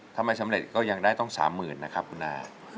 ถ้าไม่สำเร็จก็ยังได้ต้องสามหมื่นนะครับคุณนา